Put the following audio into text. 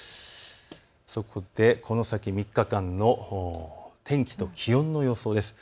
そこでこの先の３日間の天気と気温の予想です。